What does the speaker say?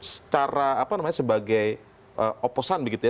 secara apa namanya sebagai oposan begitu ya